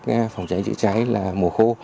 các phòng cháy chữa cháy là mùa khô